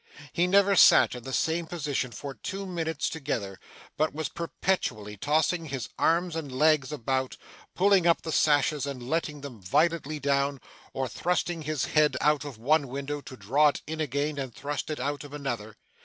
He never sat in the same position for two minutes together, but was perpetually tossing his arms and legs about, pulling up the sashes and letting them violently down, or thrusting his head out of one window to draw it in again and thrust it out of another.